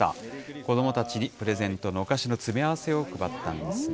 子どもたちにプレゼントのお菓子の詰め合わせを配ったんですね。